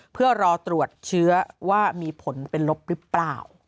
เพื่อรอตรวจเชื้อว่ามีผลเป็นลบหรือเปล่า